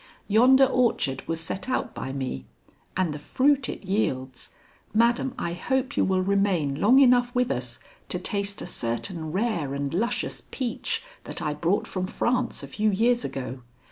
Yonder orchard was set out by me, and the fruit it yields Madam, I hope you will remain long enough with us to taste a certain rare and luscious peach that I brought from France a few years ago.